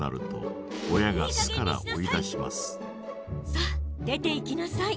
さあ出ていきなさい。